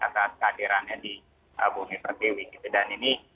atas kehadirannya di bumi pertewi gitu dan ini